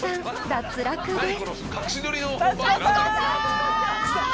脱落です］